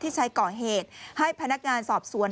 ใช้ก่อเหตุให้พนักงานสอบสวน